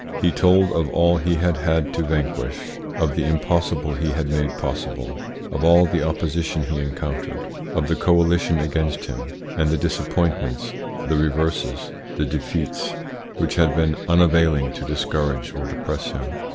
He told of all he had had to vanquish, of the impossible he had made possible, of all the opposition he encountered, of the coalition against him, and the disappointments, the reverses, the defeats which had been unavailing to discourage or depress him.